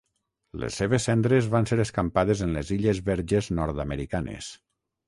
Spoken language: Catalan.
Les seves cendres van ser escampades en les Illes Verges Nord-americanes.